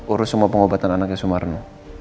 urus semua pengobatan anaknya sumarno